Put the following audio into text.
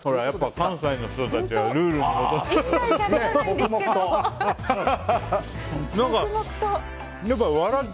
関西の人たちはルール守って。